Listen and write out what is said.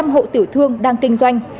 hai trăm linh hậu tiểu thương đang kinh doanh